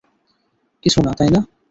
কিছু না, তাই না?